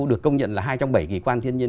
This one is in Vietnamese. được công nhận là hai trong bảy kỳ quan thiên nhiên